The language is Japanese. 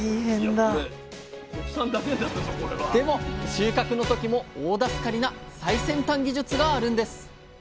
収穫の時も大助かりな最先端技術があるんです！